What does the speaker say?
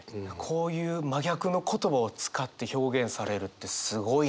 こういう真逆の言葉を使って表現されるってすごいなって。